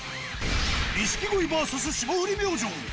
錦鯉ＶＳ霜降り明星。